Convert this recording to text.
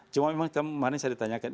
cuma memang kemarin saya ditanyakan